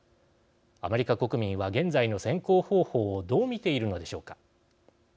アメリカ国民は現在の選考方法をどう見ているのでしょうか。